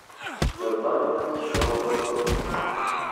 The buyers showed no interest.